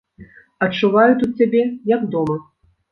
Адчуваю тут сябе, як дома.